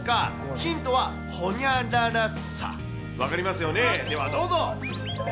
ヒントはホニャララさ、分かりますよね、ではどうぞ。